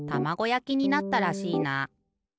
やきになったらしいな。